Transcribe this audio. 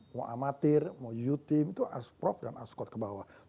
mau amatir mau you team itu asprof dan askot ke bawah